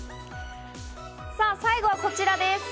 最後はこちらです。